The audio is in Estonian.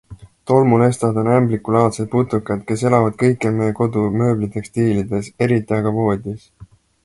Tolmulestad on ämblikulaadsed putukad, kes elavad kõikjal meie kodu mööblitekstiilides, eriti aga voodis.